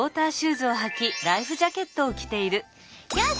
よし！